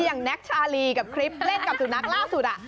อย่างแน็กชาลีกับคริปเล่นกับสุดนัก